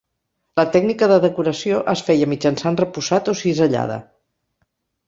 La tècnica de decoració es feia mitjançant repussat o cisellada.